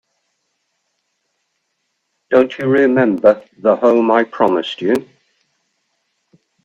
Don't you remember the home I promised you?